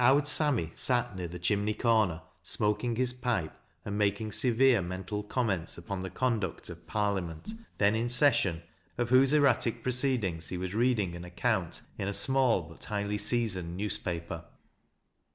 Owd Sammy " sat near the chimney corner smoking his pipe, and making severe mental comments upon the conduct of Parliament, then in session, of whose erratic proceedings he was reading an account in a small but highly seasoned newspaper.